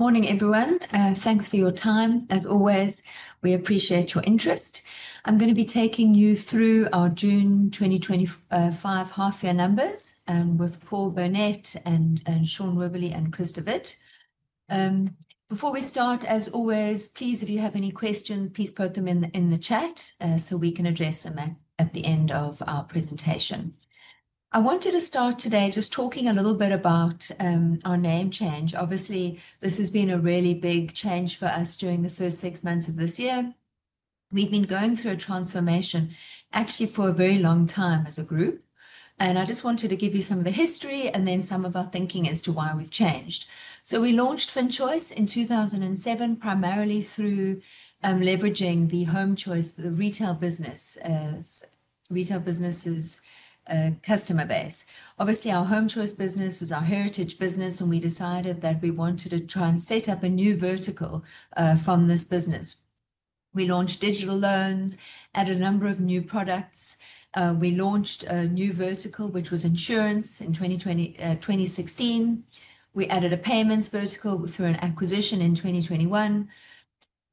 Morning everyone. Thanks for your time. As always, we appreciate your interest. I'm going to be taking you through our June 2025 half-year numbers with Paul Burnett, Sean Wibberley, and Chris de Wit. Before we start, as always, please, if you have any questions, please put them in the chat so we can address them at the end of our presentation. I wanted to start today just talking a little bit about our name change. Obviously, this has been a really big change for us during the first six months of this year. We've been going through a transformation, actually, for a very long time as a group. I just wanted to give you some of the history and then some of our thinking as to why we've changed. We launched FinChoice in 2007, primarily through leveraging the HomeChoice Retail business as the retail business's customer base. Obviously, our HomeChoice business was our heritage business, and we decided that we wanted to try and set up a new vertical from this business. We launched digital loans, added a number of new products. We launched a new vertical, which was insurance, in 2016. We added a payments vertical through an acquisition in 2021.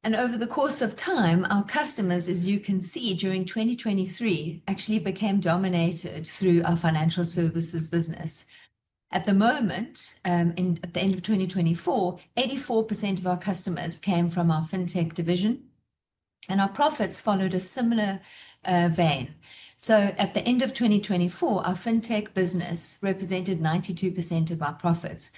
Over the course of time, our customers, as you can see, during 2023, actually became dominated through our financial services business. At the moment, at the end of 2024, 84% of our customers came from our fintech division, and our profits followed a similar vein. At the end of 2024, our fintech business represented 92% of our profits.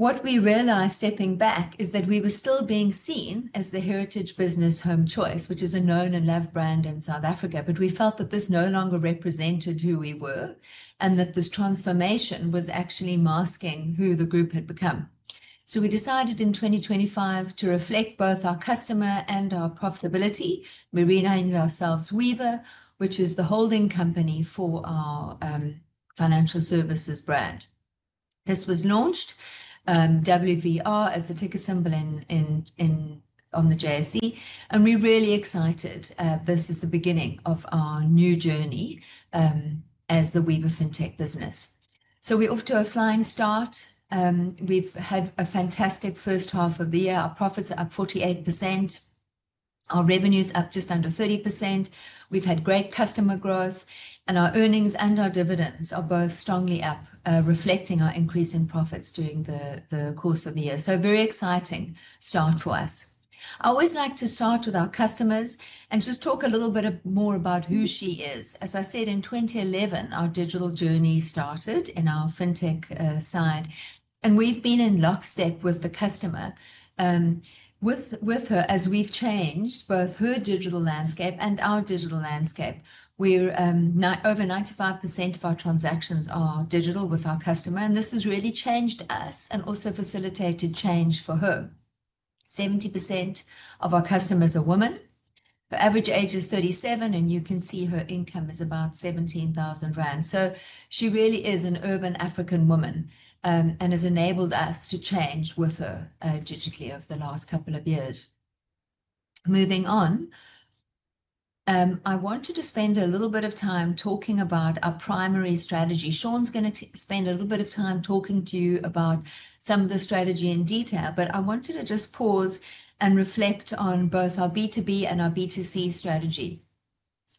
What we realized stepping back is that we were still being seen as the heritage business HomeChoice, which is a known and loved brand in South Africa, but we felt that this no longer represented who we were and that this transformation was actually masking who the group had become. We decided in 2025 to reflect both our customer and our profitability. We renamed ourselves Weaver, which is the holding company for our financial services brand. This was launched WVR as the ticker symbol on the JSE, and we're really excited. This is the beginning of our new journey as the Weaver Fintech business. We're off to a flying start. We've had a fantastic first half of the year. Our profits are up 48%. Our revenue is up just under 30%. We've had great customer growth, and our earnings and our dividends are both strongly up, reflecting our increase in profits during the course of the year. A very exciting start for us. I always like to start with our customers and just talk a little bit more about who she is. As I said, in 2011, our digital journey started in our fintech side, and we've been in lockstep with the customer. With her, as we've changed both her digital landscape and our digital landscape, we're over 95% of our transactions are digital with our customer, and this has really changed us and also facilitated change for her. 70% of our customers are women. Her average age is 37, and you can see her income is about R17,000. She really is an urban African woman and has enabled us to change with her digitally over the last couple of years. Moving on, I wanted to spend a little bit of time talking about our primary strategy. Sean's going to spend a little bit of time talking to you about some of the strategy in detail, but I wanted to just pause and reflect on both our B2B and our B2C strategy.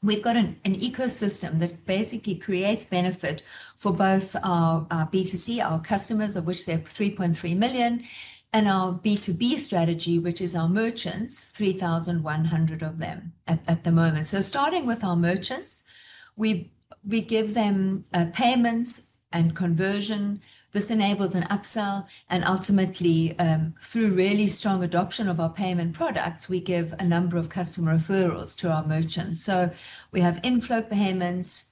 We've got an ecosystem that basically creates benefit for both our B2C, our customers, of which they're 3.3 million, and our B2B strategy, which is our merchants, 3,100 of them at the moment. Starting with our merchants, we give them payments and conversion. This enables an upsell and ultimately, through really strong adoption of our payment products, we give a number of customer referrals to our merchants. We have inflow payments,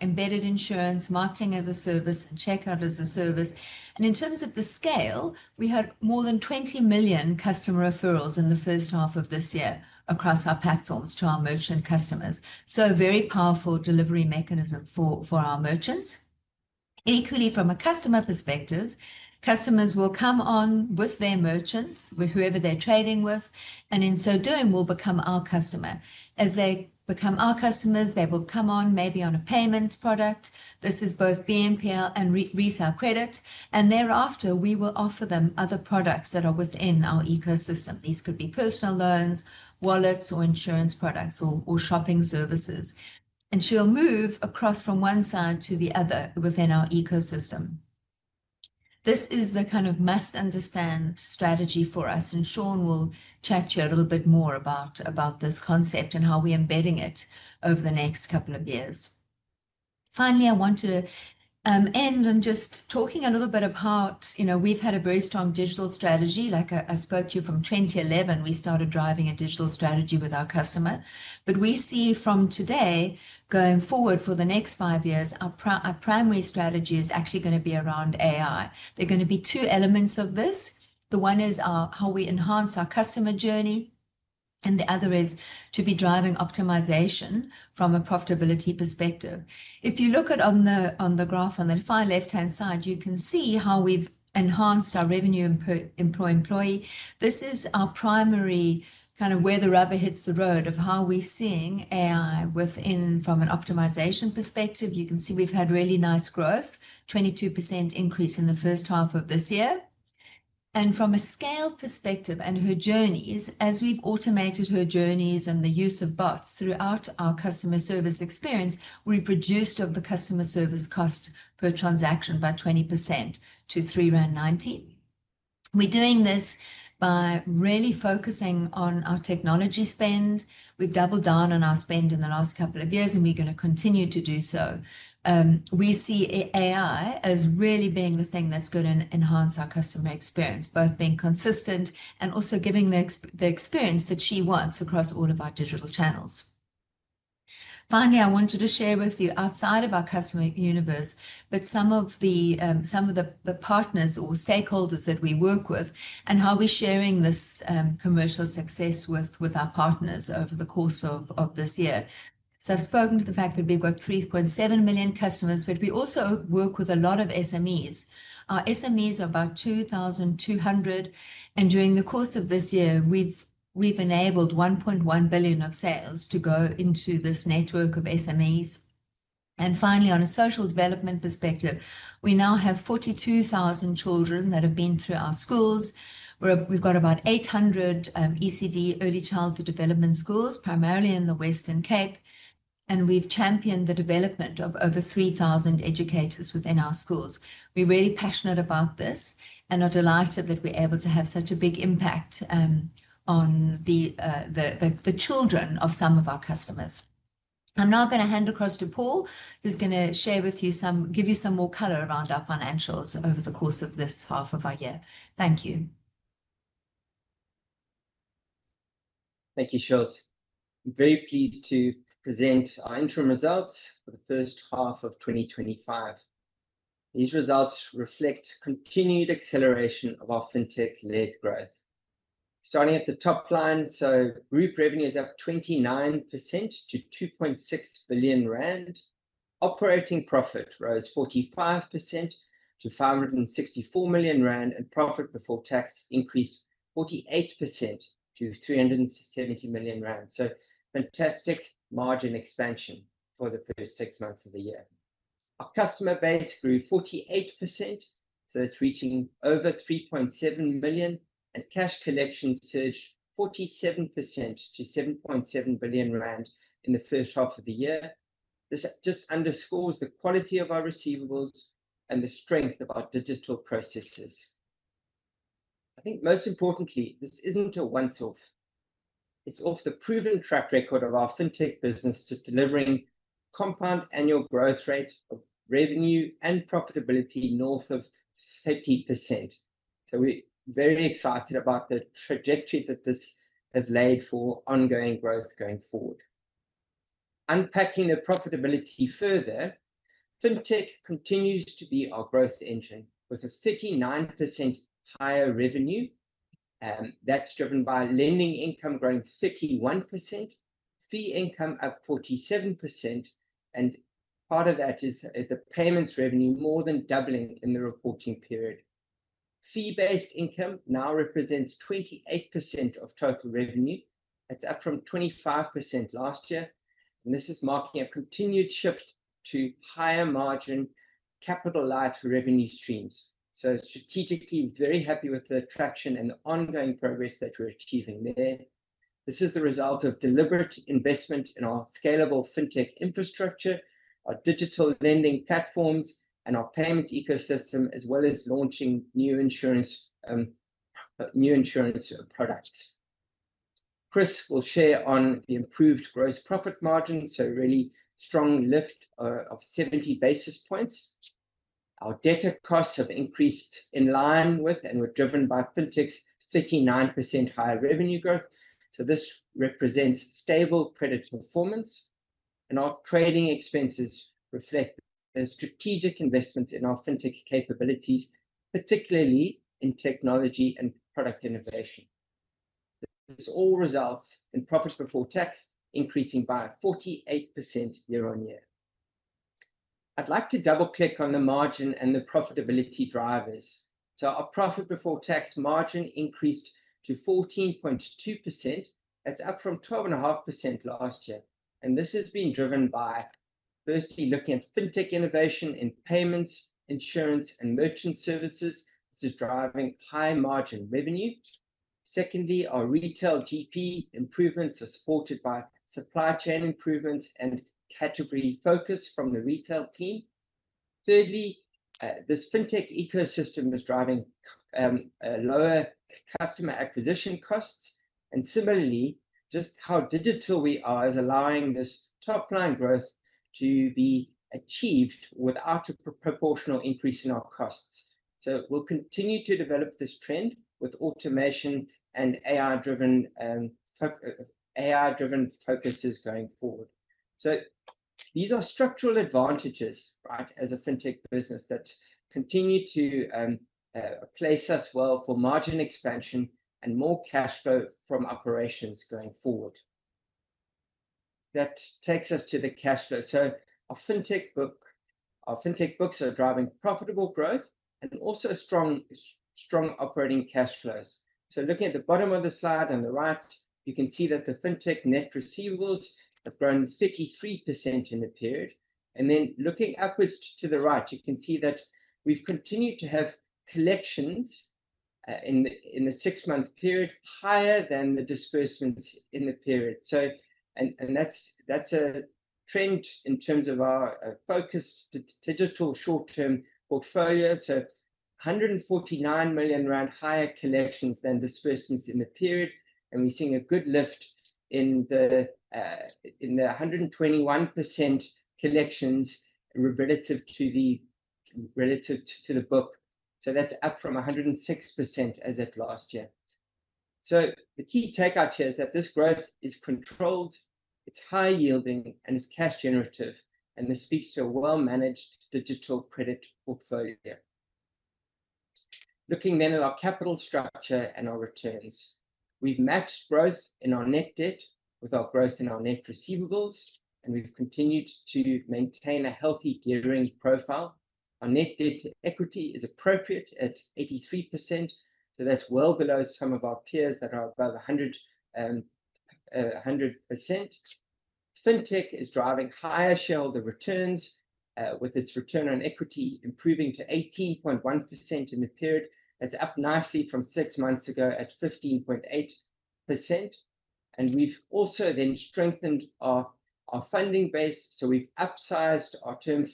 embedded insurance, marketing as a service, and checkout as a service. In terms of the scale, we had more than 20 million customer referrals in the first half of this year across our platforms to our merchant customers. A very powerful delivery mechanism for our merchants. Equally, from a customer perspective, customers will come on with their merchants, whoever they're trading with, and in so doing will become our customer. As they become our customers, they will come on maybe on a payment product. This is both BNPL and retail credit. Thereafter, we will offer them other products that are within our ecosystem. These could be personal loans, wallets, or insurance products, or shopping services. She'll move across from one side to the other within our ecosystem. This is the kind of must-understand strategy for us, and Sean will chat to you a little bit more about this concept and how we're embedding it over the next couple of years. Finally, I wanted to end on just talking a little bit about, you know, we've had a very strong digital strategy. Like I spoke to you from 2011, we started driving a digital strategy with our customer. We see from today, going forward for the next five years, our primary strategy is actually going to be around AI. There are going to be two elements of this. The one is how we enhance our customer journey, and the other is to be driving optimization from a profitability perspective. If you look at the graph on the far left-hand side, you can see how we've enhanced our revenue per employee. This is our primary kind of where the rubber hits the road of how we're seeing AI within from an optimization perspective. You can see we've had really nice growth, 22% increase in the first half of this year. From a scale perspective and her journeys, as we've automated her journeys and the use of bots throughout our customer service experience, we've reduced the customer service cost per transaction by 20% to R390. We're doing this by really focusing on our technology spend. We've doubled down on our spend in the last couple of years, and we're going to continue to do so. We see AI as really being the thing that's going to enhance our customer experience, both being consistent and also giving the experience that she wants across all of our digital channels. Finally, I wanted to share with you outside of our customer universe, some of the partners or stakeholders that we work with and how we're sharing this commercial success with our partners over the course of this year. I've spoken to the fact that we've got 3.7 million customers, but we also work with a lot of SMEs. Our SMEs are about 2,200, and during the course of this year, we've enabled R1.1 billion of sales to go into this network of SMEs. Finally, on a social development perspective, we now have 42,000 children that have been through our schools. We've got about 800 ECD, early childhood development schools, primarily in the Western Cape, and we've championed the development of over 3,000 educators within our schools. We're really passionate about this and are delighted that we're able to have such a big impact on the children of some of our customers. I'm now going to hand across to Paul, who's going to give you some more color around our financials over the course of this half of our year. Thank you. Thank you, [Shirley]. I'm very pleased to present our interim results for the first half of 2025. These results reflect continued acceleration of our fintech-led growth. Starting at the top plan, group revenue is up 29% to R2.6 billion. Operating profit rose 45% to R564 million, and profit before tax increased 48% to R370 million. Fantastic margin expansion for the first six months of the year. Our customer base grew 48%, reaching over R3.7 million, and cash collections surged 47% to R7.7 billion in the first half of the year. This underscores the quality of our receivables and the strength of our digital processes. Most importantly, this isn't a once-off. It's off the proven track record of our fintech business delivering compound annual growth rates of revenue and profitability north of 30%. We're very excited about the trajectory that this has laid for ongoing growth going forward. Unpacking the profitability further, fintech continues to be our growth engine with a 39% higher revenue. That's driven by lending income growing 31%, fee income at 47%, and part of that is the payments revenue more than doubling in the reporting period. Fee-based income now represents 28% of total revenue, up from 25% last year, marking a continued shift to higher margin capital-light revenue streams. Strategically, I'm very happy with the traction and the ongoing progress that we're achieving there. This is the result of deliberate investment in our scalable fintech infrastructure, our digital lending platforms, and our payments ecosystem, as well as launching new insurance products. Chris will share on the improved gross profit margin, a really strong lift of 70 basis points. Our debt to costs have increased in line with and were driven by fintech's 39% higher revenue growth. This represents stable credit performance, and our trading expenses reflect strategic investments in our fintech capabilities, particularly in technology and product innovation. This all results in profit before tax increasing by 48% year-on-year. I'd like to double-click on the margin and the profitability drivers. Our profit before tax margin increased to 14.2%, up from 12.5% last year. This has been driven by, firstly, looking at fintech innovation in payments, insurance, and merchant services. This is driving high margin revenue. Secondly, our retail DP improvements are supported by supply chain improvements and category focus from the retail team. Thirdly, this fintech ecosystem is driving lower customer acquisition costs. Similarly, just how digital we are is allowing this top-line growth to be achieved without a proportional increase in our costs. We'll continue to develop this trend with automation and AI-driven focuses going forward. These are structural advantages, right, as a fintech business that continue to place us well for margin expansion and more cash flow from operations going forward. That takes us to the cash flow. Our fintech books are driving profitable growth and also strong operating cash flows. Looking at the bottom of the slide on the right, you can see that the fintech net receivables have grown 53% in the period. Looking upwards to the right, you can see that we've continued to have collections in the six-month period higher than the disbursements in the period. That's a trend in terms of our focused digital short-term portfolio. R149 million higher collections than disbursements in the period. We're seeing a good lift in the 121% collections relative to the book. That's up from 106% as of last year. The key takeout here is that this growth is controlled, it's high yielding, and it's cash generative, and this leads to a well-managed digital credit portfolio. Looking then at our capital structure and our returns, we've matched growth in our net debt with our growth in our net receivables, and we've continued to maintain a healthy gearing profile. Our net debt to equity is appropriate at 83%. That's well below some of our peers that are above 100%. Fintech is driving higher shareholder returns with its return on equity improving to 18.1% in the period. That's up nicely from six months ago at 15.8%. We've also then strengthened our funding base. We've upsized our term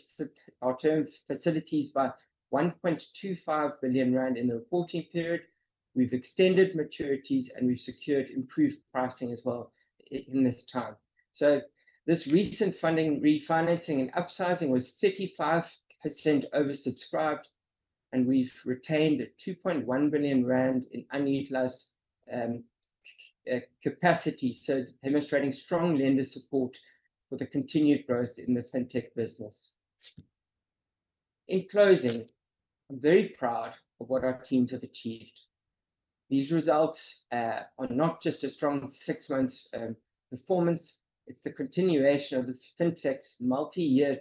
facilities by R1.25 billion in the reporting period. We've extended maturities, and we've secured improved pricing as well in this time. This recent funding, refinancing, and upsizing was 35% oversubscribed, and we've retained R2.1 billion in unutilized capacity. Demonstrating strong lender support for the continued growth in the fintech business. In closing, I'm very proud of what our teams have achieved. These results are not just a strong six-month performance. It's the continuation of the fintech's multi-year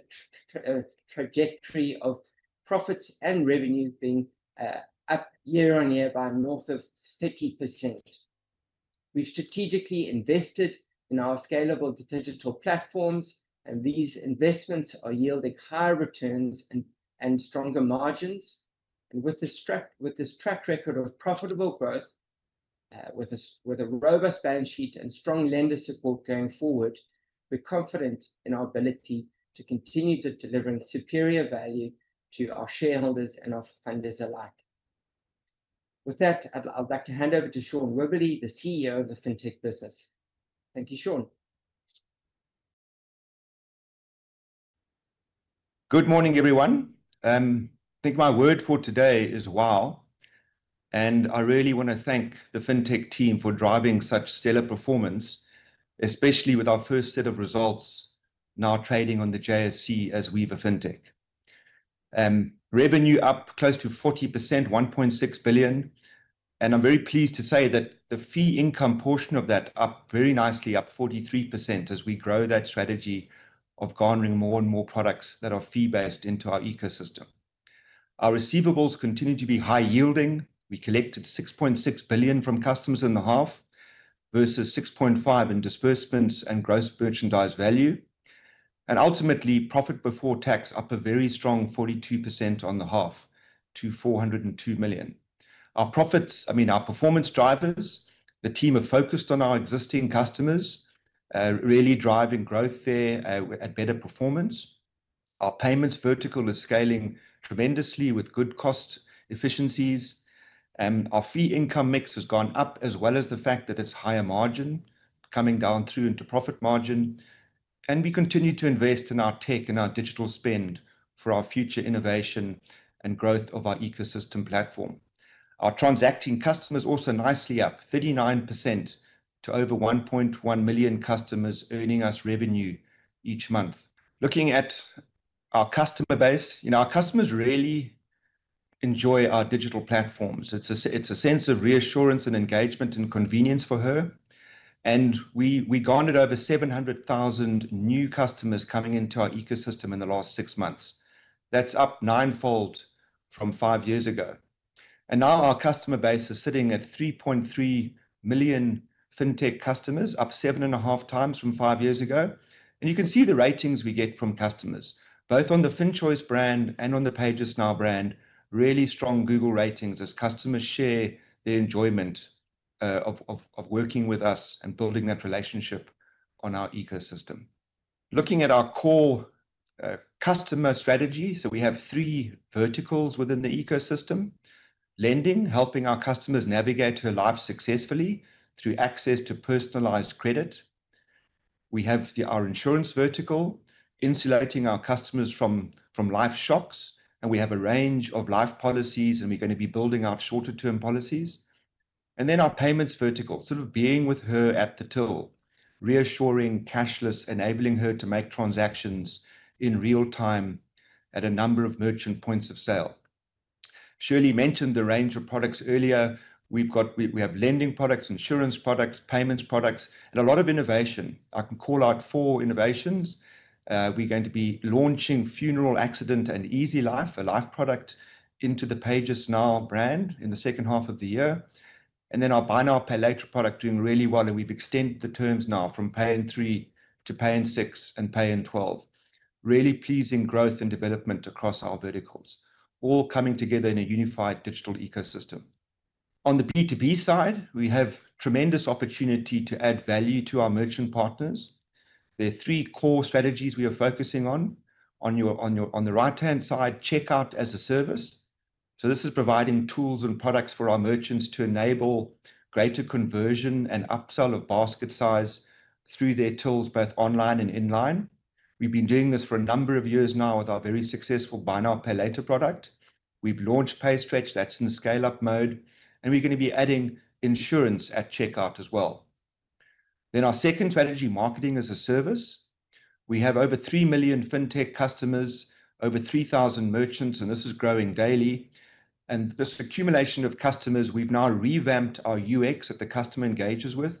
trajectory of profits and revenue being up year-on-year by north of 30%. We've strategically invested in our scalable digital platforms, and these investments are yielding higher returns and stronger margins. With this track record of profitable growth, a robust balance sheet, and strong lender support going forward, we're confident in our ability to continue to deliver superior value to our shareholders and our funders alike. With that, I'd like to hand over to Sean Wibberley, the CEO of the fintech business. Thank you, Sean. Good morning, everyone. I think my word for today is wow, and I really want to thank the fintech team for driving such stellar performance, especially with our first set of results now trading on the JSE as Weaver Fintech. Revenue up close to 40%, R1.6 billion. I'm very pleased to say that the fee income portion of that is up very nicely, up 43% as we grow that strategy of garnering more and more products that are fee-based into our ecosystem. Our receivables continue to be high yielding. We collected R6.6 billion from customers in the half versus R6.5 billion in disbursements and gross merchandise value. Ultimately, profit before tax is up a very strong 42% on the half to R402 million. Our performance drivers, the team are focused on our existing customers, really driving growth there at better performance. Our payments vertical is scaling tremendously with good cost efficiencies. Our fee income mix has gone up as well as the fact that it's higher margin coming down through into profit margin. We continue to invest in our tech and our digital spend for our future innovation and growth of our ecosystem platform. Our transacting customers are also nicely up 39% to over 1.1 million customers earning us revenue each month. Looking at our customer base, our customers really enjoy our digital platforms. It's a sense of reassurance and engagement and convenience for her. We garnered over 700,000 new customers coming into our ecosystem in the last six months. That's up nine-fold from five years ago. Now our customer base is sitting at 3.3 million fintech customers, up 7.5x from five years ago. You can see the ratings we get from customers, both on the FinChoice brand and on the PayJustNow brand, really strong Google ratings as customers share their enjoyment of working with us and building that relationship on our ecosystem. Looking at our core customer strategy, we have three verticals within the ecosystem. Lending, helping our customers navigate her life successfully through access to personalized credit. We have our insurance vertical, insulating our customers from life shocks. We have a range of life policies, and we're going to be building up shorter-term policies. Our payments vertical is sort of being with her at the till, reassuring cashless, enabling her to make transactions in real time at a number of merchant points of sale. Shirley mentioned the range of products earlier. We have lending products, insurance products, payments products, and a lot of innovation. I can call out four innovations. We are going to be launching Funeral Accident and Easy Life, a life product, into the PayJustNow brand in the second half of the year. Our Buy Now, Pay Later product is doing really well, and we have extended the terms now from Pay in 3 to Pay in 6 and Pay in 12. There is really pleasing growth and development across our verticals, all coming together in a unified digital ecosystem. On the B2B side, we have tremendous opportunity to add value to our merchant partners. There are three core strategies we are focusing on. On the right-hand side, checkout as a service. This is providing tools and products for our merchants to enable greater conversion and upsell of basket size through their tools, both online and inline. We have been doing this for a number of years now with our very successful Buy Now, Pay Later product. We have launched PayStretch, and that is in scale-up mode. We are going to be adding insurance at checkout as well. Our second strategy is marketing as a service. We have over 3 million fintech customers, over 3,000 merchants, and this is growing daily. This accumulation of customers has allowed us to revamp our UX that the customer engages with.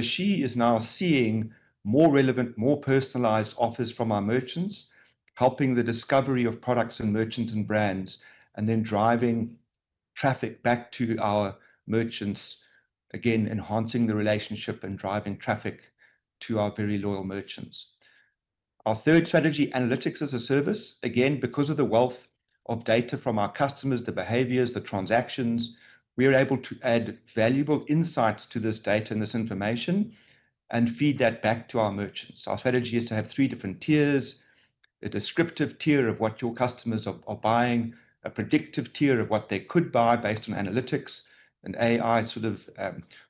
She is now seeing more relevant, more personalized offers from our merchants, helping the discovery of products and merchants and brands, and driving traffic back to our merchants, again enhancing the relationship and driving traffic to our very loyal merchants. Our third strategy is analytics as a service. Because of the wealth of data from our customers, the behaviors, the transactions, we are able to add valuable insights to this data and this information and feed that back to our merchants. Our strategy is to have three different tiers: a descriptive tier of what your customers are buying, a predictive tier of what they could buy based on analytics and AI, sort of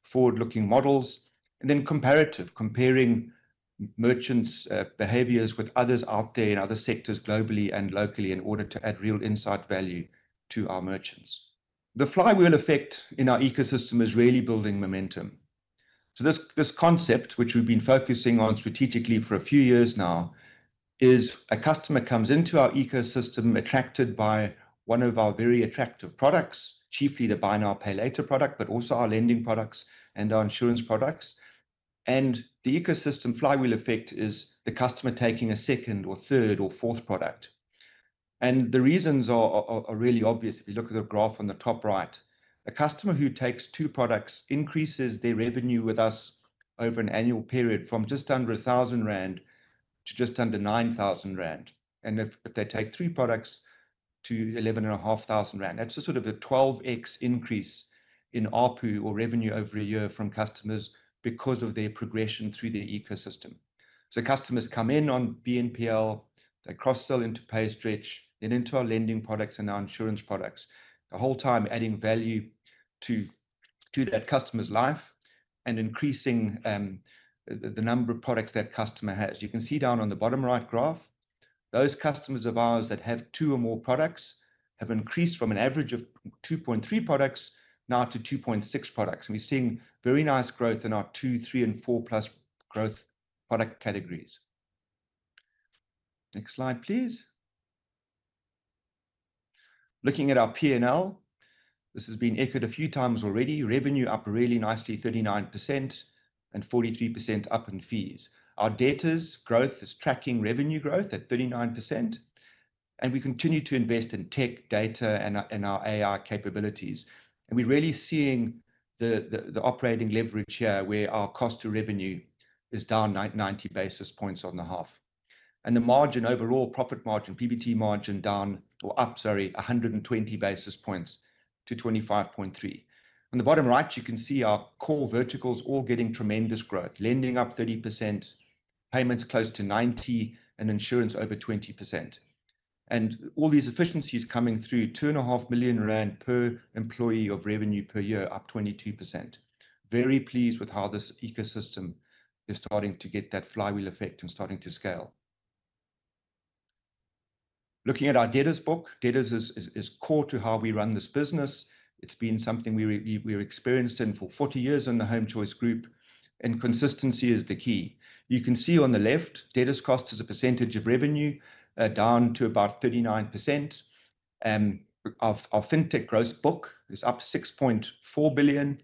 forward-looking models, and then comparative, comparing merchants' behaviors with others out there in other sectors globally and locally in order to add real insight value to our merchants. The flywheel effect in our ecosystem is really building momentum. This concept, which we've been focusing on strategically for a few years now, is a customer comes into our ecosystem attracted by one of our very attractive products, chiefly the Buy Now, Pay Later product, but also our lending products and our insurance products. The ecosystem flywheel effect is the customer taking a second or third or fourth product. The reasons are really obvious. If you look at the graph on the top right, a customer who takes two products increases their revenue with us over an annual period from just under R1,000 to just under R9,000. If they take three products to R11,500, that's a sort of a 12x increase in ARPU or revenue over a year from customers because of their progression through the ecosystem. Customers come in on BNPL, they cross-sell into PayStretch, then into our lending products and our insurance products, the whole time adding value to that customer's life and increasing the number of products that customer has. You can see down on the bottom right graph, those customers of ours that have two or more products have increased from an average of 2.3 products now to 2.6 products. We're seeing very nice growth in our two, three, and four-plus growth product categories. Next slide, please. Looking at our P&L, this has been echoed a few times already. Revenue up really nicely, 39% and 43% up in fees. Our data's growth is tracking revenue growth at 39%. We continue to invest in tech data and our AI capabilities. We're really seeing the operating leverage share where our cost of revenue is down 90 basis points on the half. The margin overall, profit margin, PBT margin up 120 basis points to 25.3%. On the bottom right, you can see our core verticals all getting tremendous growth. Lending up 30%, payments close to 90%, and insurance over 20%. All these efficiencies coming through, R2.5 million per employee of revenue per year, up 22%. Very pleased with how this ecosystem is starting to get that flywheel effect and starting to scale. Looking at our data's book, data is core to how we run this business. It's been something we're experienced in for 40 years in the HomeChoice Group, and consistency is the key. You can see on the left, data's cost as a percentage of revenue down to about 39%. Our fintech gross book is up R6.4 billion.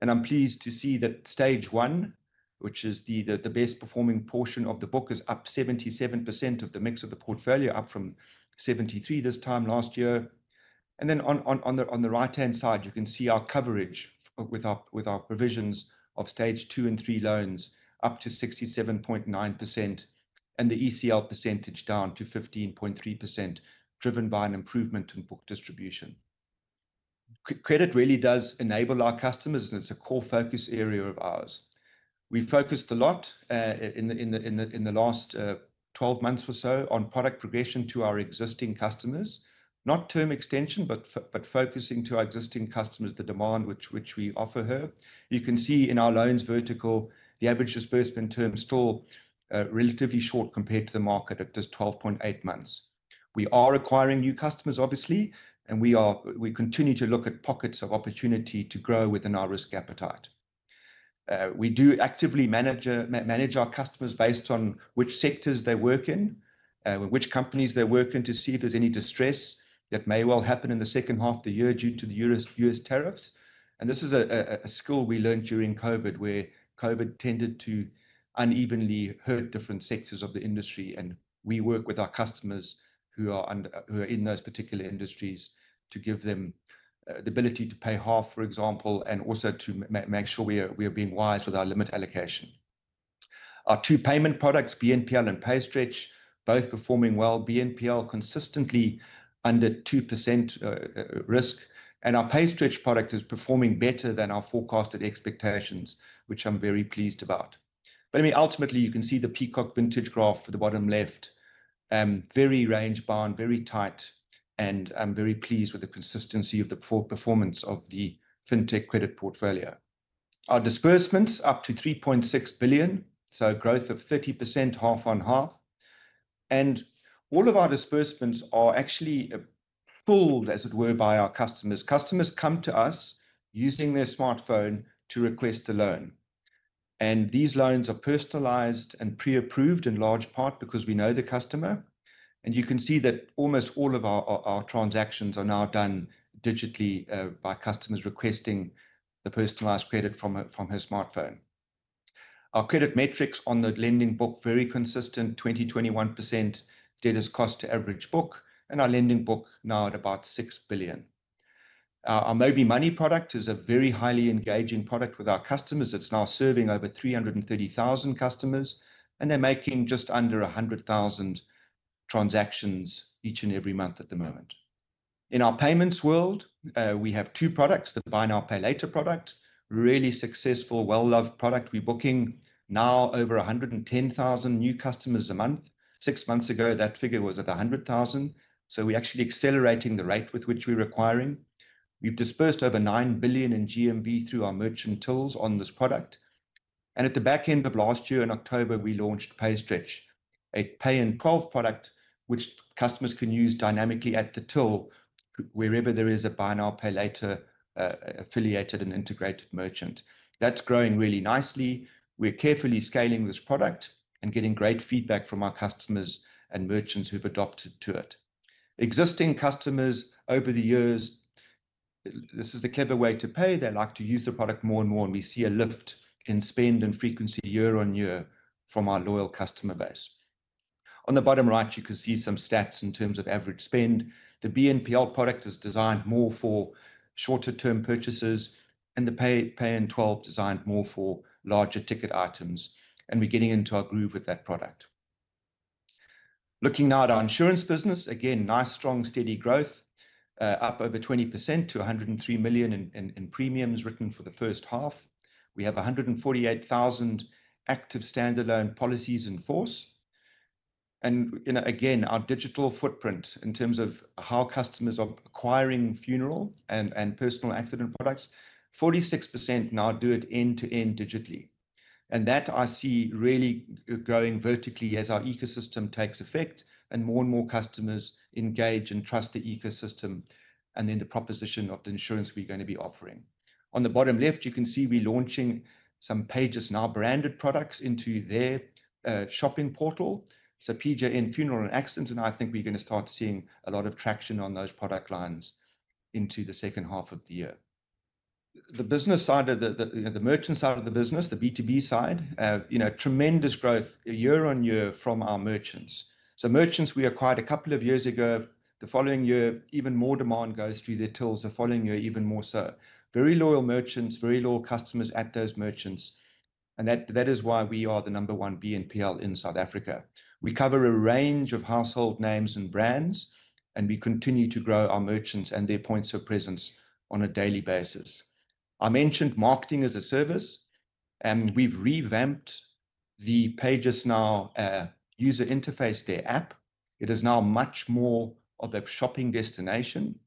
I'm pleased to see that Stage 1, which is the best-performing portion of the book, is up 77% of the mix of the portfolio, up from 73% this time last year. On the right-hand side, you can see our coverage with our provisions of Stage2 and three loans up to 67.9% and the ECL percentage down to 15.3%, driven by an improvement in book distribution. Credit really does enable our customers, and it's a core focus area of ours. We focused a lot in the last 12 months or so on product progression to our existing customers, not term extension, but focusing to our existing customers, the demand which we offer her. You can see in our loans vertical, the average disbursement term is still relatively short compared to the market at just 12.8 months. We are acquiring new customers, obviously, and we continue to look at pockets of opportunity to grow within our risk appetite. We do actively manage our customers based on which sectors they work in, which companies they work in to see if there's any distress that may well happen in the second half of the year due to the U.S. tariffs. This is a skill we learned during COVID, where COVID tended to unevenly hurt different sectors of the industry. We work with our customers who are in those particular industries to give them the ability to pay half, for example, and also to make sure we are being wise with our limit allocation. Our two payment products, BNPL and PayStretch, both performing well. BNPL consistently under 2% risk, and our PayStretch product is performing better than our forecasted expectations, which I'm very pleased about. Ultimately, you can see the Peacock Vintage graph for the bottom left. Very range-bound, very tight, and I'm very pleased with the consistency of the performance of the fintech credit portfolio. Our disbursements up to R3.6 billion, so a growth of 30% half on half. All of our disbursements are actually pulled, as it were, by our customers. Customers come to us using their smartphone to request a loan. These loans are personalized and pre-approved in large part because we know the customer. You can see that almost all of our transactions are now done digitally by customers requesting the personalized credit from her smartphone. Our credit metrics on the lending book, very consistent, 20%, 21% data's cost to average book, and our lending book now at about R6 billion. Our Moby Money product is a very highly engaging product with our customers. It's now serving over 330,000 customers, and they're making just under 100,000 transactions each and every month at the moment. In our payments world, we have two products, the Buy Now, Pay Later product, really successful, well-loved product. We're booking now over 110,000 new customers a month. Six months ago, that figure was at 100,000. We're actually accelerating the rate with which we're acquiring. We've disbursed over R9 billion in GMV through our merchant tills on this product. At the back end of last year, in October, we launched PayStretch, a Pay in 12 product, which customers can use dynamically at the till, wherever there is a Buy Now, Pay Later affiliated and integrated merchant. That's growing really nicely. We're carefully scaling this product and getting great feedback from our customers and merchants who've adopted to it. Existing customers over the years, this is the clever way to pay. They like to use the product more and more, and we see a lift in spend and frequency year-on-year from our loyal customer base. On the bottom right, you can see some stats in terms of average spend. The BNPL product is designed more for shorter-term purchases, and the Pay in 12 is designed more for larger ticket items. We're getting into our groove with that product. Looking now at our insurance business, again, nice, strong, steady growth, up over 20% to R103 million in premiums written for the first half. We have 148,000 active standalone policies in force. Our digital footprint in terms of how customers are acquiring funeral and personal accident products, 46% now do it end-to-end digitally. That I see really growing vertically as our ecosystem takes effect and more and more customers engage and trust the ecosystem and then the proposition of the insurance we're going to be offering. On the bottom left, you can see we're launching some PayJustNow-branded products into their shopping portal. So PJN Funeral and Accident, and I think we're going to start seeing a lot of traction on those product lines into the second half of the year. The business side of the merchant side of the business, the B2B side, tremendous growth year on year from our merchants. Merchants we acquired a couple of years ago, the following year, even more demand goes through their tills. The following year, even more so. Very loyal merchants, very loyal customers at those merchants. That is why we are the number one BNPL in South Africa. We cover a range of household names and brands, and we continue to grow our merchants and their points of presence on a daily basis. I mentioned marketing as a service. We've revamped the PayJustNow user interface, their app. It is now much more of a shopping destination,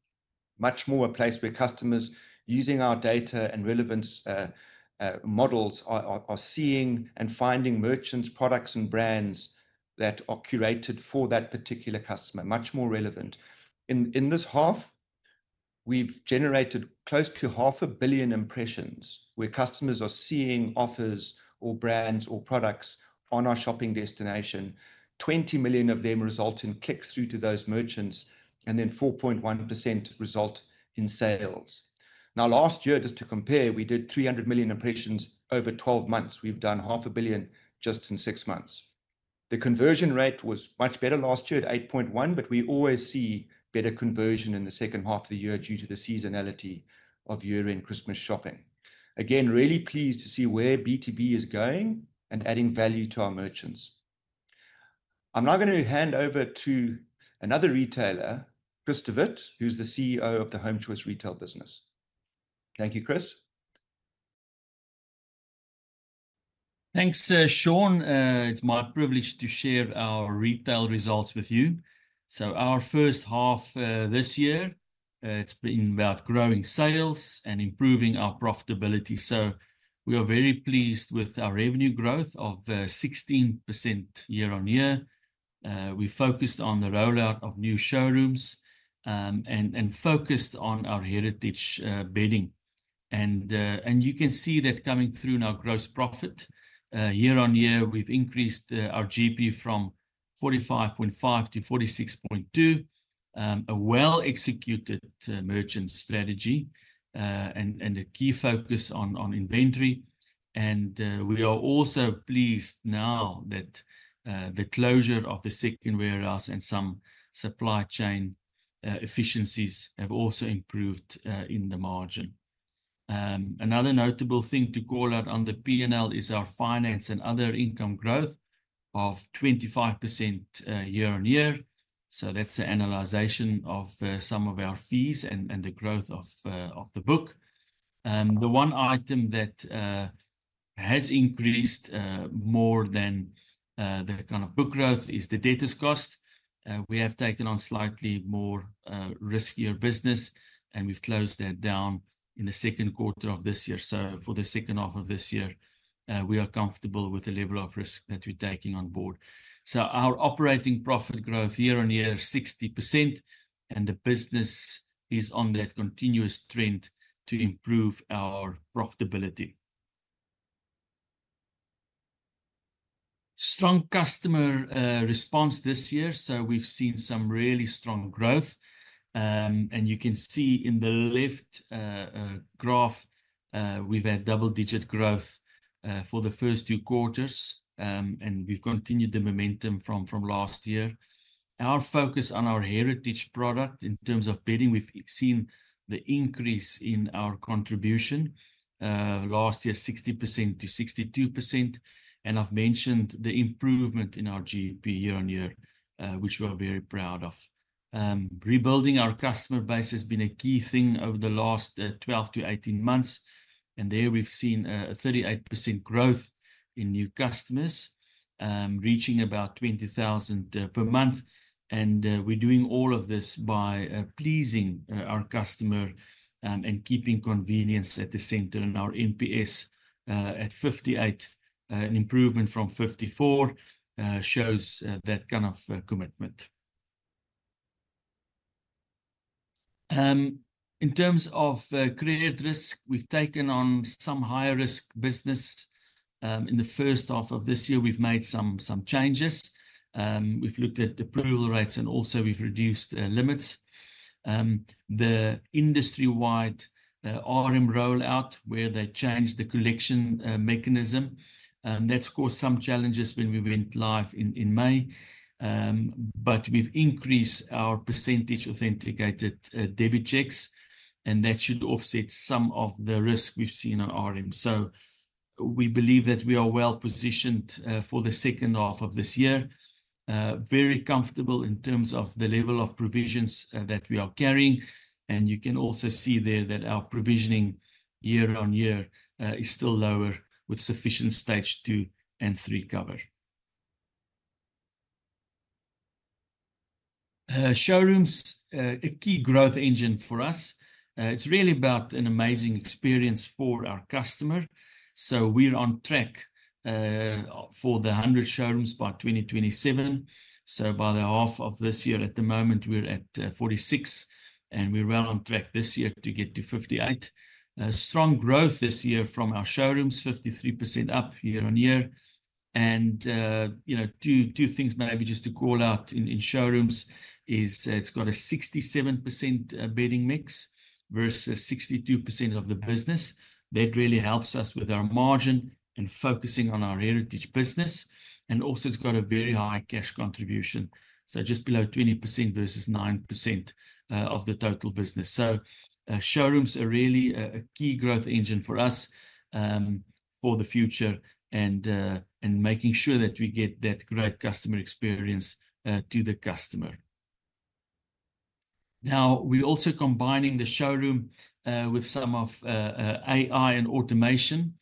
much more a place where customers using our data and relevance models are seeing and finding merchants, products, and brands that are curated for that particular customer, much more relevant. In this half, we've generated close to half a billion impressions where customers are seeing offers or brands or products on our shopping destination. 20 million of them result in clicks through to those merchants, and then 4.1% result in sales. Last year, just to compare, we did 300 million impressions over 12 months. We've done half a billion just in six months. The conversion rate was much better last year at 8.1%, but we always see better conversion in the second half of the year due to the seasonality of year-end Christmas shopping. Again, really pleased to see where B2B is going and adding value to our merchants. I'm now going to hand over to another retailer, Chris de Wit, who's the CEO of the HomeChoice Retail Business. Thank you, Chris. Thanks, Sean. It's my privilege to share our retail results with you. Our first half this year, it's been about growing sales and improving our profitability. We are very pleased with our revenue growth of 16% year-on-year. We focused on the rollout of new showrooms and focused on our heritage bedding. You can see that coming through in our gross profit year-on-year, we've increased our GP from 45.5%-46.2%. A well-executed merchant strategy and a key focus on inventory. We are also pleased now that the closure of the second warehouse and some supply chain efficiencies have also improved in the margin. Another notable thing to call out on the P&L is our finance and other income growth of 25% year-on-year. That's an analyzation of some of our fees and the growth of the book. The one item that has increased more than the kind of book growth is the debtors' cost. We have taken on slightly more riskier business, and we've closed that down in the second quarter of this year. For the second half of this year, we are comfortable with the level of risk that we're taking on board. Our operating profit growth year on year is 60%, and the business is on that continuous trend to improve our profitability. Strong customer response this year, we've seen some really strong growth. You can see in the left graph, we've had double-digit growth for the first two quarters, and we've continued the momentum from last year. Our focus on our heritage product in terms of bedding, we've seen the increase in our contribution last year, 60%-62%. I've menti-ned the improvement in our GP year-on-year, which we are very proud of. Rebuilding our customer base has been a key thing over the last 12-18 months. There we've seen a 38% growth in new customers, reaching about 20,000 per month. We're doing all of this by pleasing our customer and keeping convenience at the center. Our NPS at 58%, an improvement from 54%, shows that kind of commitment. In terms of created risk, we've taken on some higher risk business. In the first half of this year, we've made some changes. We've looked at approval rates and also we've reduced limits. The industry-wide RM rollout, where they changed the collection mechanism, that's caused some challenges when we went live in May. We've increased our percentage authenticated debit checks, and that should offset some of the risk we've seen on RM. We believe that we are well-positioned for the second half of this year, very comfortable in terms of the level of provisions that we are carrying. You can also see there that our provisioning year-on-year is still lower with sufficient Stage 2 and three cover. Showrooms are a key growth engine for us. It's really about an amazing experience for our customer. We're on track for the 100 showrooms by 2027. By the half of this year, at the moment, we're at 46%, and we're well on track this year to get to 58%. Strong growth this year from our showrooms, 53% up year-on-year. Two things maybe just to call out in showrooms is it's got a 67% bedding mix versus 62% of the business. That really helps us with our margin and focusing on our heritage business. Also, it's got a very high cash contribution, just below 20% versus 9% of the total business. Showrooms are really a key growth engine for us for the future and making sure that we get that great customer experience to the customer. We're also combining the showroom with some of AI and automation.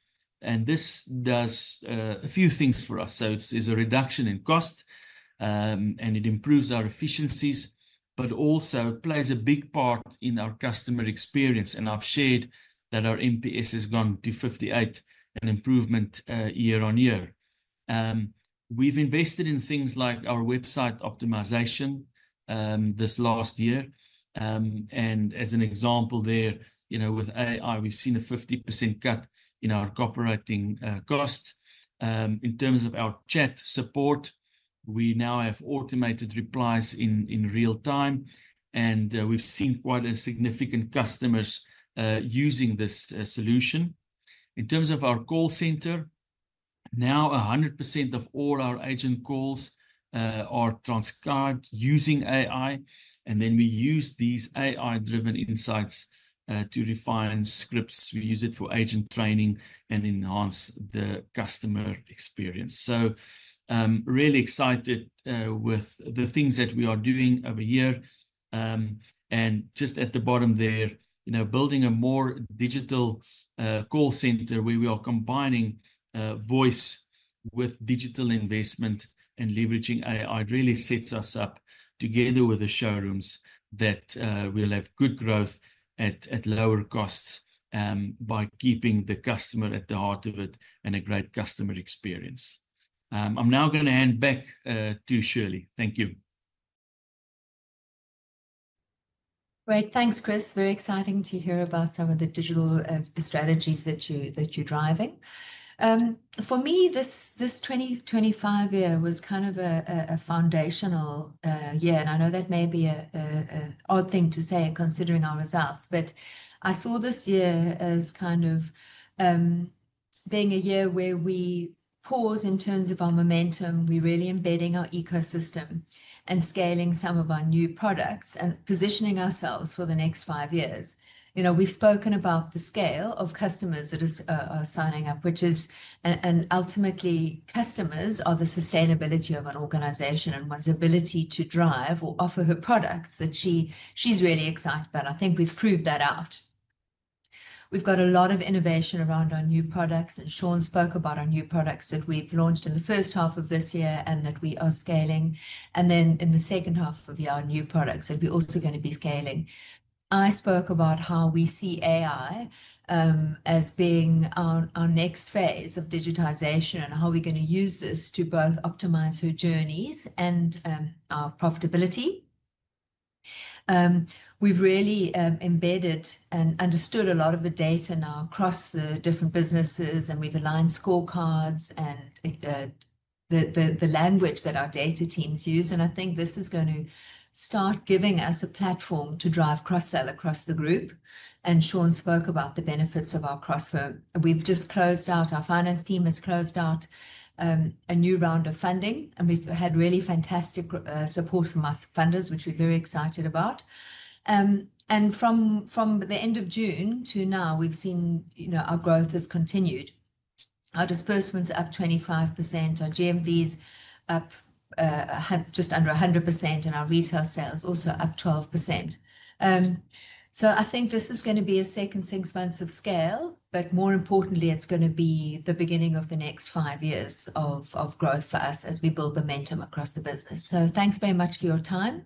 This does a few things for us. It's a reduction in cost, and it improves our efficiencies, but also it plays a big part in our customer experience. I've shared that our NPS has gone to 58%, an improvement year-on-year. We've invested in things like our website optimization this last year. As an example there, with AI, we've seen a 50% cut in our operating costs. In terms of our chat support, we now have automated replies in real time. We've seen quite a significant customer using this solution. In terms of our call center, now 100% of all our agent calls are transcribed using AI. We use these AI-driven insights to refine scripts. We use it for agent training and enhance the customer experience. Really excited with the things that we are doing every year. At the bottom there, building a more digital call center where we are combining voice with digital investment and leveraging AI really sets us up together with the showrooms that will have good growth at lower costs by keeping the customer at the heart of it and a great customer experience. I'm now going to hand back to Shirley. Thank you. Great. Thanks, Chris. Very exciting to hear about some of the digital strategies that you're driving. For me, this 2025 year was kind of a foundational year. I know that may be an odd thing to say considering our results, but I saw this year as kind of being a year where we pause in terms of our momentum. We're really embedding our ecosystem and scaling some of our new products and positioning ourselves for the next five years. We've spoken about the scale of customers that are signing up, which is, and ultimately, customers are the sustainability of an organization and one's ability to drive or offer her products that she's really excited about. I think we've proved that out. We've got a lot of innovation around our new products, and Sean spoke about our new products that we've launched in the first half of this year and that we are scaling. In the second half of the year, our new products that we're also going to be scaling. I spoke about how we see AI as being our next phase of digitization and how we're going to use this to both optimize her journeys and our profitability. We've really embedded and understood a lot of the data now across the different businesses, and we've aligned scorecards and the language that our data teams use. I think this is going to start giving us a platform to drive cross-sell across the group. Sean spoke about the benefits of our cross-sell. We've just closed out, our finance team has closed out a new round of funding, and we've had really fantastic support from our funders, which we're very excited about. From the end of June to now, we've seen our growth has continued. Our disbursements are up 25%. Our GMVs are up just under 100%, and our retail sales also up 12%. I think this is going to be a second six months of scale, but more importantly, it's going to be the beginning of the next five years of growth for us as we build momentum across the business. Thanks very much for your time.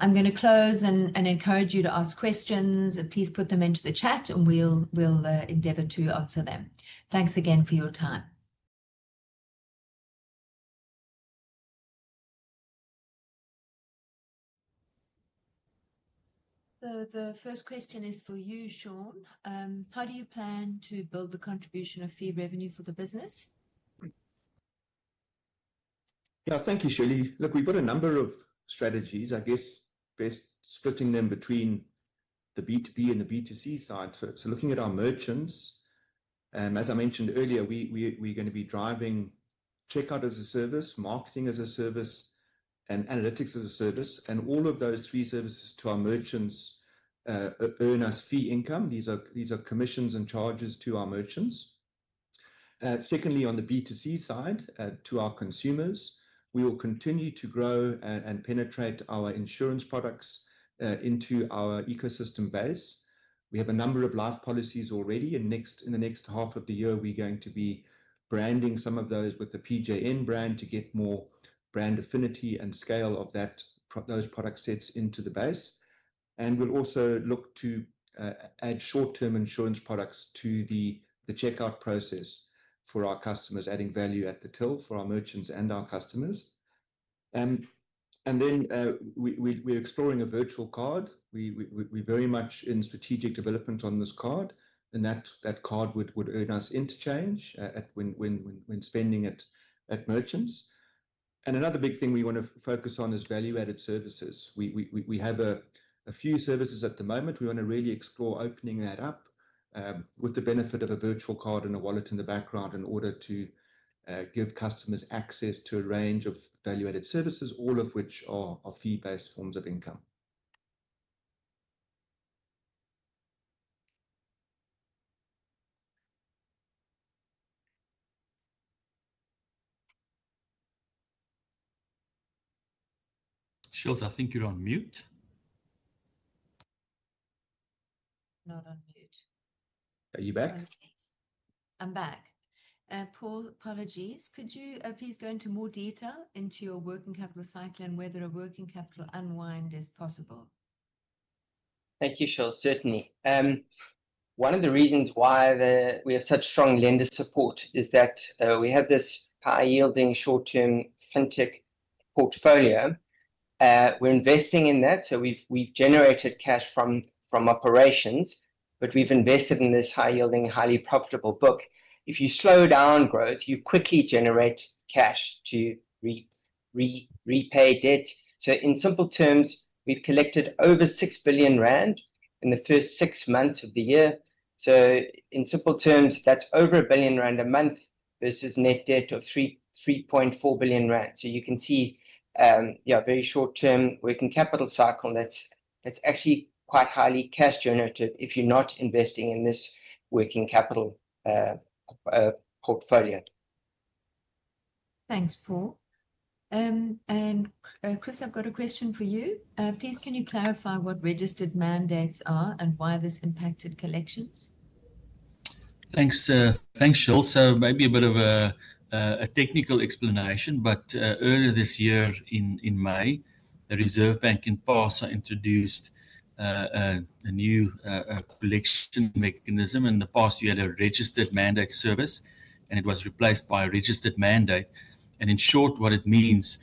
I'm going to close and encourage you to ask questions. Please put them into the chat, and we'll endeavor to answer them. Thanks again for your time. The first question is for you, Sean. How do you plan to build the contribution of fee revenue for the business? Yeah, thank you, Shirley. Look, we've got a number of strategies, I guess, best splitting them between the B2B and the B2C side. Looking at our merchants, as I mentioned earlier, we're going to be driving checkout as a service, marketing as a service, and analytics as a service. All of those three services to our merchants earn us fee income. These are commissions and charges to our merchants. Secondly, on the B2C side to our consumers, we will continue to grow and penetrate our insurance products into our ecosystem base. We have a number of life policies already, and in the next half of the year, we're going to be branding some of those with the PJN-branded insurance brand to get more brand affinity and scale of those product sets into the base. We'll also look to add short-term insurance products to the checkout process for our customers, adding value at the till for our merchants and our customers. We're exploring a virtual card. We're very much in strategic development on this card, and that card would earn us interchange when spending it at merchants. Another big thing we want to focus on is value-added services. We have a few services at the moment. We want to really explore opening that up with the benefit of a virtual card and a wallet in the background in order to give customers access to a range of value-added services, all of which are fee-based forms of income. Shirl, I think you're on mute. Not on mute. Are you back? I'm back. Paul, apologies. Could you please go into more detail into your working capital cycle and whether a working capital unwind is possible? Thank you, Shirley. Certainly. One of the reasons why we have such strong lender support is that we have this high-yielding short-term fintech portfolio. We're investing in that. We've generated cash from operations, but we've invested in this high-yielding, highly profitable book. If you slow down growth, you quickly generate cash to repay debt. In simple terms, we've collected over R6 billion in the first six months of the year. In simple terms, that's over R1 billion a month versus net debt of R3.4 billion. You can see, yeah, very short-term working capital cycle that's actually quite highly cash generative if you're not investing in this working capital portfolio. Thanks, Paul. Chris, I've got a question for you. Please, can you clarify what registered mandates are and why this impacted collections? Thanks, Shirley. Maybe a bit of a technical explanation, but earlier this year in May, the Reserve Bank and PASA introduced a new collection mechanism. In the past, we had a registered mandate service, and it was replaced by a registered mandate. In short, what it means is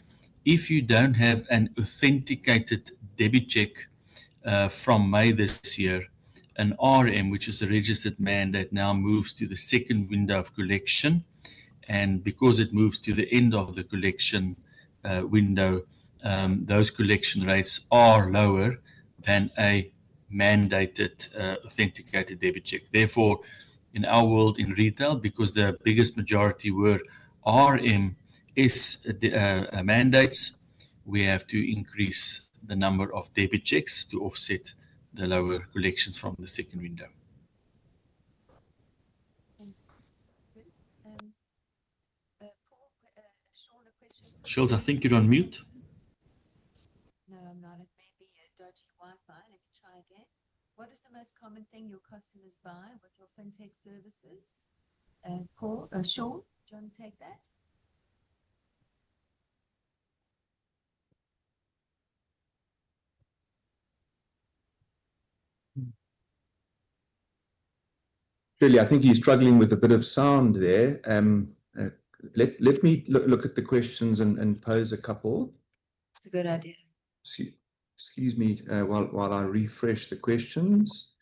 if you don't have an authenticated debit check from May this year, an RM, which is a registered mandate, now moves to the second window of collection. Because it moves to the end of the collection window, those collection rates are lower than a mandated authenticated debit check. Therefore, in our world in retail, because the biggest majority were RM mandates, we have to increase the number of debit checks to offset the lower collections from the second window. Thanks. Chris? Shirley, I think you're on mute. No, I'm not. Maybe a dodgy Wi-Fi. Let me try again. What is the most common thing your customers buy with your fintech services? Paul, Sean, do you want to take that? Shirley, I think he's struggling with a bit of sound there. Let me look at the questions and pose a couple. It's a good idea. Excuse me, while I refresh the questions.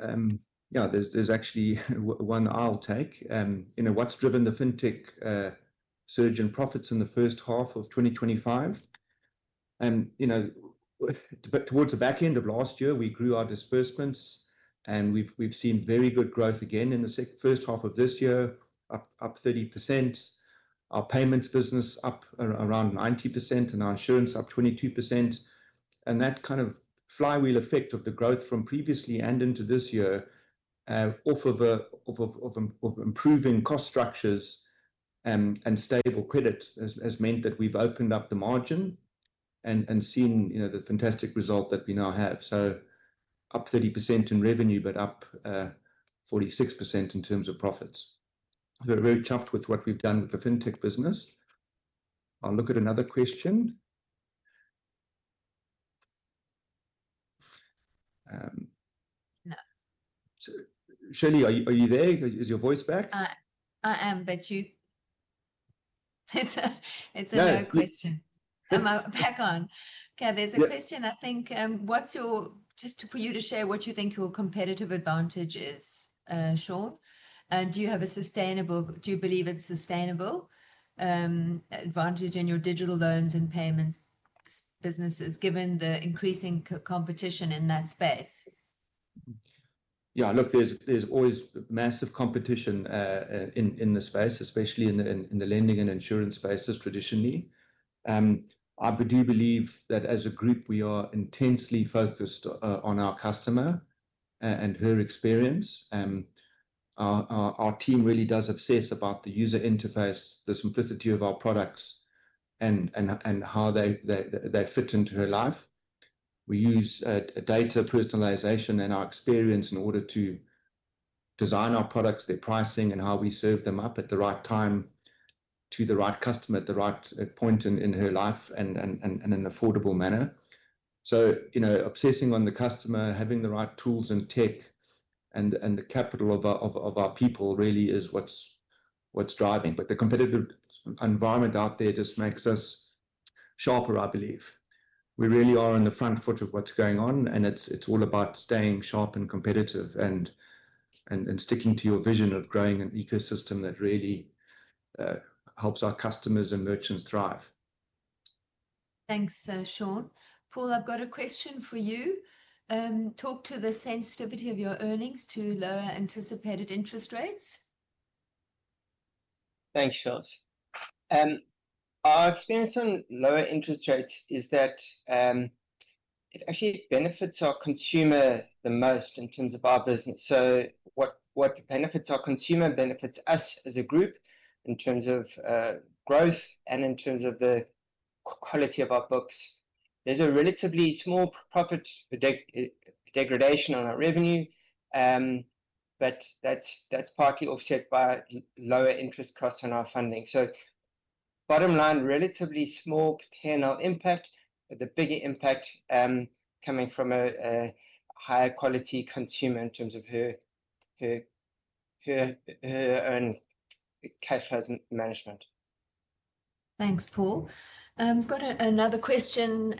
Yeah, there's actually one I'll take. You know, what's driven the fintech surge in profits in the first half of 2025? Towards the back end of last year, we grew our disbursements, and we've seen very good growth again in the first half of this year, up 30%. Our payments business is up around 90%, and our insurance is up 22%. That kind of flywheel effect of the growth from previously and into this year, off of improving cost structures and stable credits, has meant that we've opened up the margin and seen the fantastic result that we now have. Up 30% in revenue, but up 46% in terms of profits. We're very chuffed with what we've done with the fintech business. I'll look at another question. No. Shirley, are you there? Is your voice back? It's a no question. Okay, there's a question. I think what's your—just for you to share what you think your competitive advantage is, Sean. Do you have a sustainable—do you believe it's a sustainable advantage in your digital loans and payments businesses, given the increasing competition in that space? Yeah, look, there's always massive competition in the space, especially in the lending and insurance spaces traditionally. I do believe that as a group, we are intensely focused on our customer and her experience. Our team really does obsess about the user interface, the simplicity of our products, and how they fit into her life. We use data personalization and our experience in order to design our products, their pricing, and how we serve them up at the right time to the right customer at the right point in her life and in an affordable manner. Obsessing on the customer, having the right tools and tech, and the capital of our people really is what's driving. The competitive environment out there just makes us sharper, I believe. We really are in the front foot of what's going on, and it's all about staying sharp and competitive and sticking to your vision of growing an ecosystem that really helps our customers and merchants thrive. Thanks, Sean. Paul, I've got a question for you. Talk to the sensitivity of your earnings to lower anticipated interest rates. Thanks, Shirley. Our experience on lower interest rates is that it actually benefits our consumer the most in terms of our business. What benefits our consumer benefits us as a group in terms of growth and in terms of the quality of our books. There's a relatively small profit degradation on our revenue, but that's partly offset by lower interest costs on our funding. Bottom line, relatively small perennial impact, with the bigger impact coming from a higher quality consumer in terms of her own cash management. Thanks, Paul. I've got another question.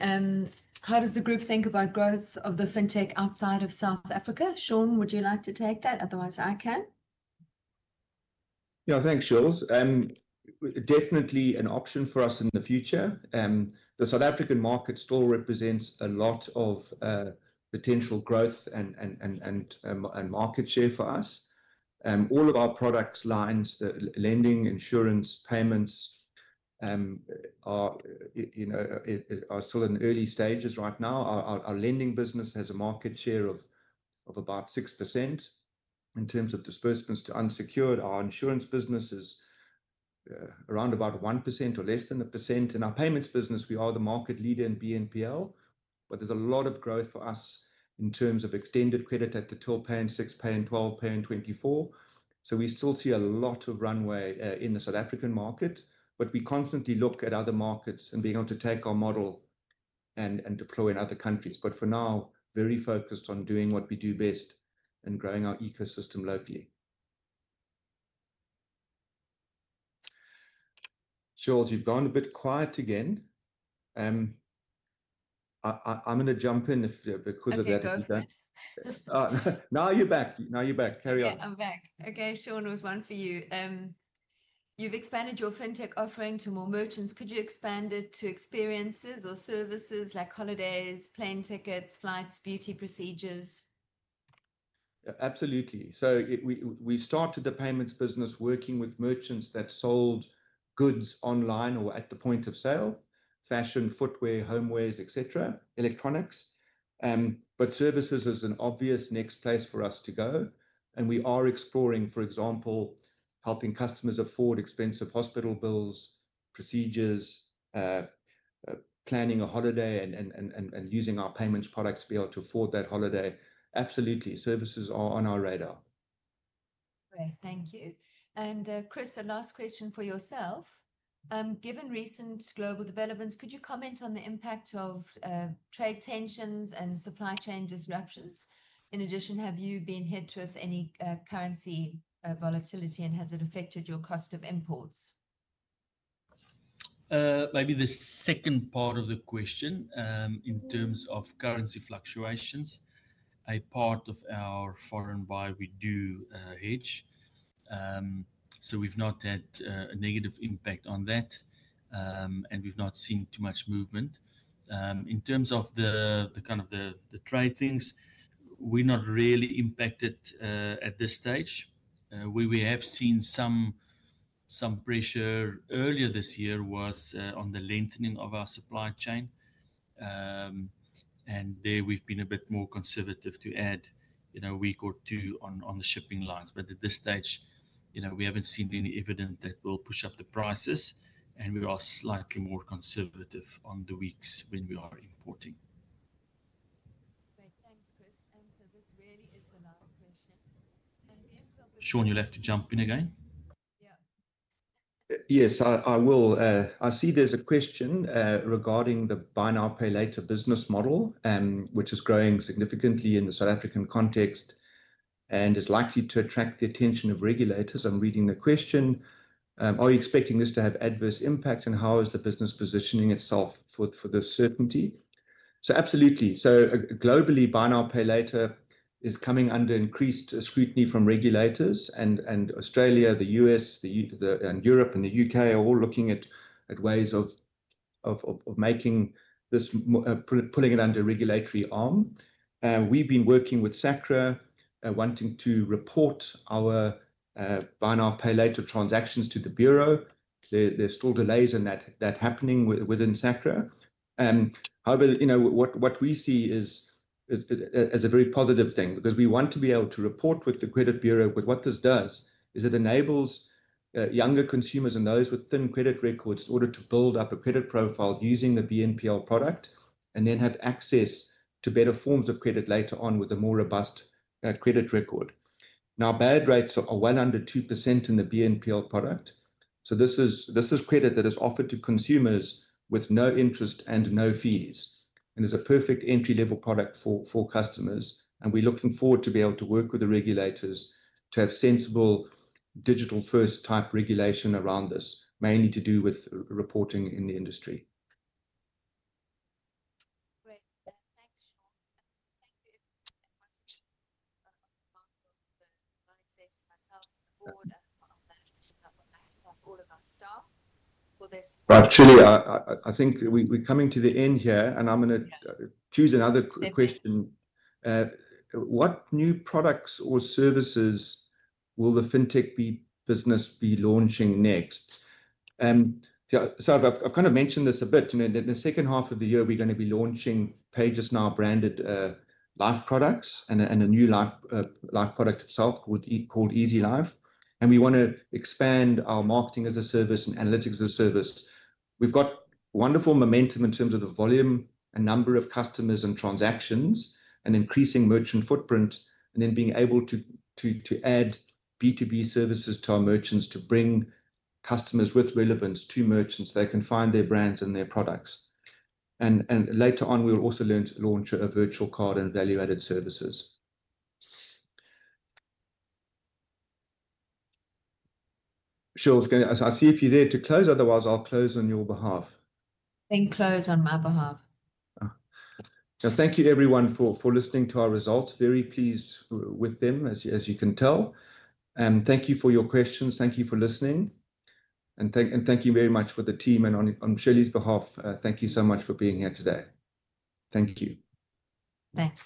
How does the group think about growth of the fintech outside of South Africa? Sean, would you like to take that? Otherwise, I can. Yeah, thanks, Shirley. Definitely an option for us in the future. The South African market still represents a lot of potential growth and market share for us. All of our products, lines, lending, insurance, payments are still in early stages right now. Our lending business has a market share of about 6%. In terms of disbursements to unsecured, our insurance business is around about 1% or less than 1%. In our payments business, we are the market leader in BNPL, but there's a lot of growth for us in terms of extended credit at the till, Pay in 6, Pay in 12, Pay in 24. We still see a lot of runway in the South African market, but we constantly look at other markets and are able to take our model and deploy in other countries. For now, very focused on doing what we do best and growing our ecosystem locally. Shirley, you've gone a bit quiet again. I'm going to jump in because of that. I'm back. Now you're back. Carry on. I'm back. Okay, Sean, it was one for you. You've expanded your fintech offering to more merchants. Could you expand it to experiences or services like holidays, plane tickets, flights, beauty procedures? Absolutely. We started the payments business working with merchants that sold goods online or at the point of sale: clothing, footwear, home textiles, household items, consumer electronics. Services is an obvious next place for us to go. We are exploring, for example, helping customers afford expensive hospital bills, procedures, planning a holiday, and using our payments products to be able to afford that holiday. Absolutely, services are on our radar. Great. Thank you. Chris, a last question for yourself. Given recent global developments, could you comment on the impact of trade tensions and supply chain disruptions? In addition, have you been hit with any currency volatility, and has it affected your cost of imports? Maybe the second part of the question in terms of currency fluctuations, a part of our foreign buy we do hedge. We've not had a negative impact on that, and we've not seen too much movement. In terms of the kind of the trade things, we're not really impacted at this stage. Where we have seen some pressure earlier this year was on the lengthening of our supply chain. There we've been a bit more conservative to add a week or two on the shipping lines. At this stage, you know, we haven't seen any evidence that will push up the prices, and we are slightly more conservative on the weeks when we are importing. Great. Thanks, Chris. This really is the last question. Sean, you'll have to jump in again. Yeah. Yes, I will. I see there's a question regarding the Buy Now, Pay Later business model, which is growing significantly in the South African context and is likely to attract the attention of regulators. I'm reading the question. Are you expecting this to have adverse impacts, and how is the business positioning itself for this certainty? Absolutely. Globally, Buy Now, Pay Later is coming under increased scrutiny from regulators, and Australia, the U.S., Europe, and the U.K. are all looking at ways of making this, pulling it under regulatory arm. We've been working with SeQura, wanting to report our Buy Now, Pay Later transactions to the Bureau. There's still delays in that happening within SeQura. However, what we see is a very positive thing because we want to be able to report with the Credit Bureau. What this does is it enables younger consumers and those with thin credit records in order to build up a credit profile using the BNPL product and then have access to better forms of credit later on with a more robust credit record. Now, bad rates are under 2% in the BNPL product. This is credit that is offered to consumers with no interest and no fees. It's a perfect entry-level product for customers. We're looking forward to be able to work with the regulators to have sensible digital-first type regulation around this, mainly to do with reporting in the industry. Great. Thanks, Sean. Thank you. I'm going to mark the non-executive myself and the board, and I'll manage to jump up on that and mark all of our staff for this. Right. Shirley, I think we're coming to the end here, and I'm going to choose another question. What new products or services will the fintech business be launching next? I've kind of mentioned this a bit. You know, in the second half of the year, we're going to be launching PayJustNow-branded life products and a new life product itself called Easy Life. We want to expand our marketing as a service and analytics as a service. We've got wonderful momentum in terms of the volume and number of customers and transactions and increasing merchant footprint, and being able to add B2B services to our merchants to bring customers with relevance to merchants so they can find their brands and their products. Later on, we'll also launch a virtual card and value-added services. Shirley, I see a few there to close. Otherwise, I'll close on your behalf. Thank you. Close on my behalf. Thank you, everyone, for listening to our results. Very pleased with them, as you can tell. Thank you for your questions. Thank you for listening. Thank you very much for the team. On Shirley's behalf, thank you so much for being here today. Thank you. Thanks.